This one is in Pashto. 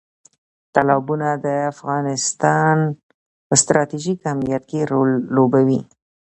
تالابونه د افغانستان په ستراتیژیک اهمیت کې رول لوبوي.